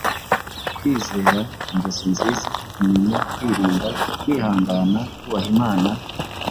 Kwizera, ingeso nziza, kumenya, kwirinda, kwihangana, kubaha Imana,